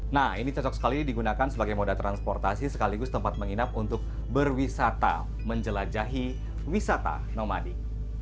nah ini cocok sekali digunakan sebagai moda transportasi sekaligus tempat menginap untuk berwisata menjelajahi wisata nomadik